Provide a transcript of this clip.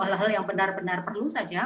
hal hal yang benar benar perlu saja